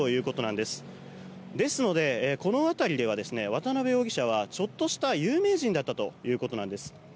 ですので、この辺りでは渡邉容疑者はちょっとした有名人だったということなんです。